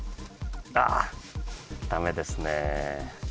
あっ、駄目ですね。